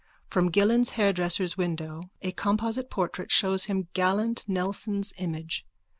From Gillen's hairdresser's window a composite portrait shows him gallant Nelson's image.